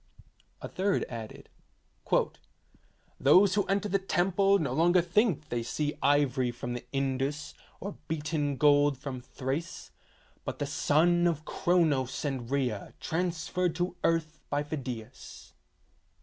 A third added: 'Those who enter the temple no longer think that they see ivory from the Indus, or beaten gold from Thrace, but the son of Chronos and Rhea transferred to earth by Phidias."